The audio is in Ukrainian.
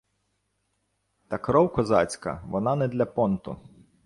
Та кров козацька – вона не для понту: